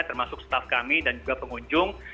termasuk staff kami dan juga pengunjung